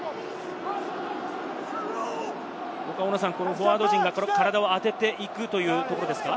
フォワード陣が体を当てていくというところですか？